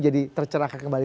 jadi tercerahkan kembali